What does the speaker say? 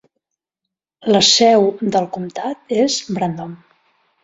La seu del comtat és Brandon.